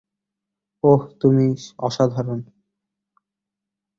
ওহ তুমি অসাধারণ।